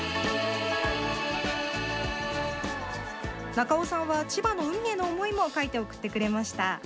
中尾さんは千葉の海への思いも書いて送ってくれました。